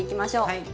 はい。